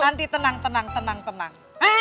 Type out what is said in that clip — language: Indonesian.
nanti tenang tenang tenang tenang